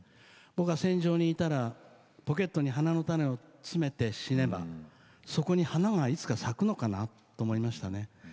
僕は戦場にいたらポケットに花の種を詰めて死ねばそこに花がいつか咲くのかなと思いましたね。